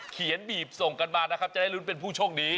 เขียนบีบส่งกันมานะครับจะได้ลุ้นเป็นผู้ช่วงดี